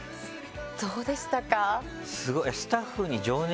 どうでしたか？